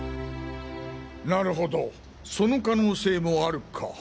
なるほどその可能性もあるか。